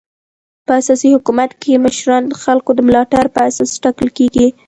په اسلامي حکومت کښي مشران د خلکو د ملاتړ پر اساس ټاکل کیږي.